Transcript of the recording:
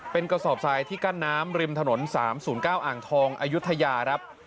เป็นกระสอบทรายที่กั้นน้ำริมถนน๓๐๙อ่างทองอายุทยาครับ